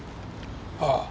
ああ。